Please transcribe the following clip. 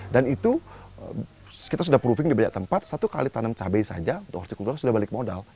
dan itu kita sudah proving di banyak tempat satu kali tanam cabai saja sudah balik modal